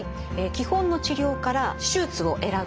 基本の治療から手術を選ぶ場合。